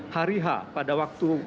hariha pada waktu